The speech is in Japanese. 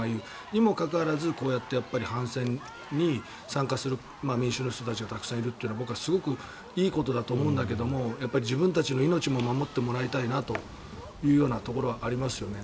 にもかかわらず、反戦に参加する民衆の人たちがいっぱいいるのは僕はすごくいいことだと思うんだけれども自分たちの命も守ってもらいたいなというところもありますよね。